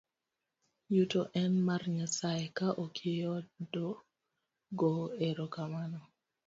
Yuto en mar Nyasaye, ka okiyudo go ero kamano.